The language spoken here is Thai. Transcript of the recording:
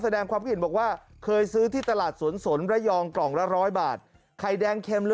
แสดงความคิดเห็นบอกว่าเคยซื้อที่ตลาดสวนสนระยองกล่องละร้อยบาทไข่แดงเข็ม